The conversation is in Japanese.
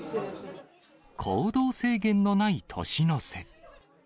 行動制限のない年の瀬。